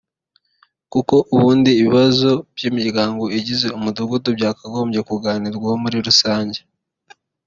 kuko ubundi ibibazo by’imiryango igize umudugudu byakagombye kuganirwaho muri rusange